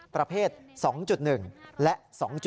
ประเภท๒๑และ๒๗